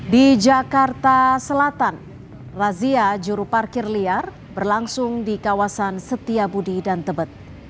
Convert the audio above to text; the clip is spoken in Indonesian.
di jakarta selatan razia juru parkir liar berlangsung di kawasan setiabudi dan tebet